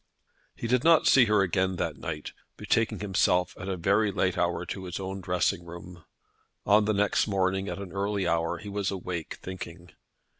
He did not see her again that night, betaking himself at a very late hour to his own dressing room. On the next morning at an early hour he was awake thinking.